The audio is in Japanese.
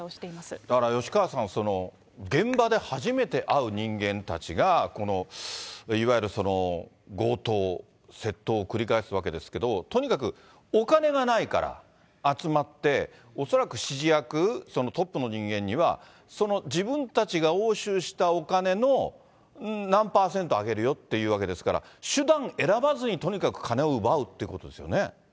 だから吉川さん、現場で初めて会う人間たちが、いわゆる強盗、窃盗を繰り返すわけですけれども、とにかくお金がないから集まって、恐らく指示役、トップの人間には、その自分たちが押収したお金の何％あげるよっていうわけですから、手段選ばずに、とにかく金を奪うっていうことですよね。